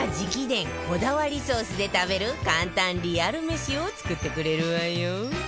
こだわりソースで食べる簡単リアル飯を作ってくれるわよ